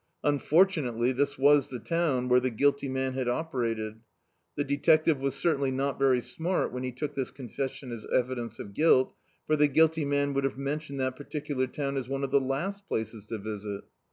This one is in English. Unfortunately this was the town where the guilty man had operated. The detective was certainly not very smart when he took this confessicn as evidence of guilt, for the guilty man would have mentioned that particular town as one of the last places to visit.